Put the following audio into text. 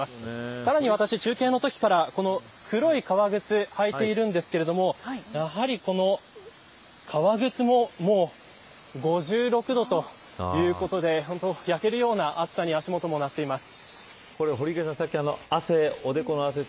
さらに私、中継のときから黒い革靴を履いているんですがやはり革靴も５６度ということで焼けるような暑さに足元もなっています。